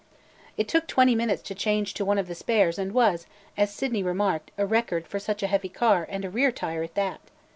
It took twenty minutes to change to one of the spares and was, as Sydney remarked, a record for such a heavy car and a rear tire at that.